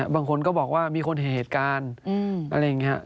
บางคนก็บอกว่ามีคนห่ายเหตุการณ์